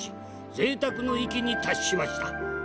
ぜいたくの域に達しました。